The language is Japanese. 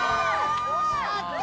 欲しかった！